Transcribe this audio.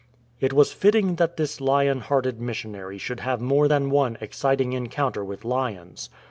It was fitting that this lion hearted missionary should have more than one exciting encounter with lions.